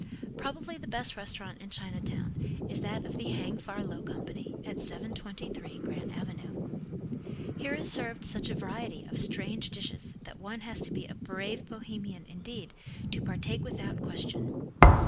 Probably the best restaurant in Chinatown is that of the Hang Far Low Company, at 723 Grant avenue. Here is served such a variety of strange dishes that one has to be a brave Bohemian, indeed, to partake without question.